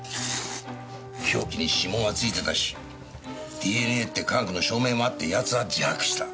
凶器に指紋は付いてたしＤＮＡって科学の証明もあって奴は自白した。